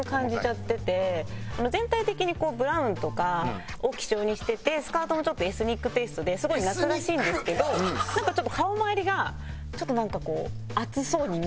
全体的にブラウンとかを基調にしててスカートもちょっとエスニックテイストですごい夏らしいんですけどなんかちょっと顔まわりがちょっとなんかこう暑そうに見えちゃううん。